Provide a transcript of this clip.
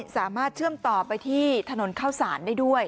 สามารถเชื่อมต่อไปที่ถนนเข้าสารได้ด้วย